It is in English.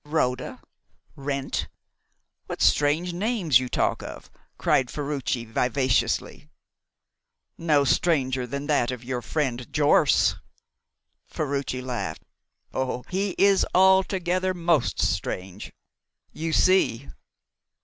"Rhoda! Wrent! What strange names you talk of!" cried Ferruci vivaciously. "No stranger than that of your friend Jorce." Ferruci laughed. "Oh, he is altogether most strange. You see."